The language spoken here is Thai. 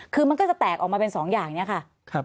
คือมันก็จะแตกออกมาเป็น๒อย่างนี้ค่ะ